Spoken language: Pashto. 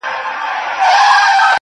تڼاکي زړه چي د ښکلا په جزيرو کي بند دی,